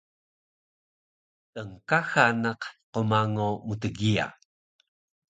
tnkaxa naq qmango mtgiya